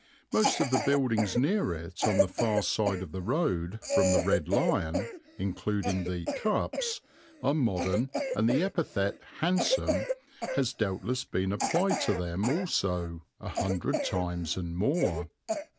Most of the buildings near it on the far side of the road from the "Red Lion," including the "Cups," are modern and the epithet "handsome" has doubtless been applied to them also a hundred times and more.